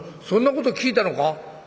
「そんなこと聞いたのか？」。